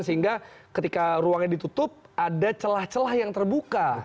sehingga ketika ruangnya ditutup ada celah celah yang terbuka